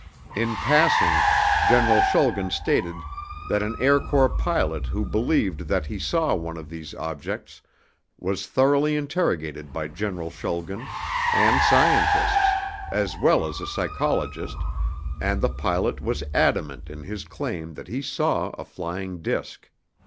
In passing, General Schulgen stated that an Air Corps pilot who believed that he saw one of these objects was thoroughly interrogated by General Schulgen and scientists, as well as a psychologist, and the pilot was adamant in his claim that he saw a flying disk.